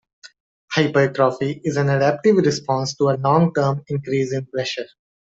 Hypertrophy is an adaptive response to a long-term increase in pressure.